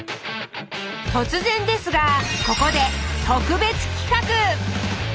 突然ですがここで特別企画！